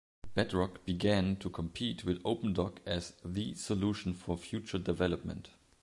Bedrock began to compete with OpenDoc as "the" solution for future development.